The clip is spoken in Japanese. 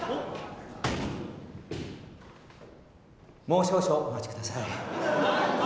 もう少々お待ちください。